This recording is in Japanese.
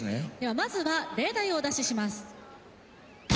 まずは例題をお出しします。